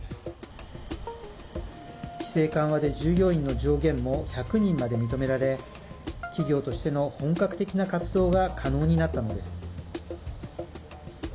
規制緩和で従業員の上限も１００人まで認められ企業としての本格的な活動が可能になったのです。